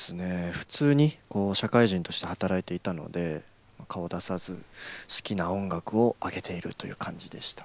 普通に社会人として働いていたので顔を出さず好きな音楽を上げているという感じでした。